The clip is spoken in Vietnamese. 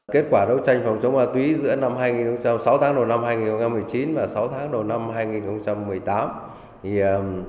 kết quả đấu tranh phòng chống ma túy giữa năm sáu tháng đầu năm hai nghìn một mươi chín và sáu tháng đầu năm hai nghìn một mươi tám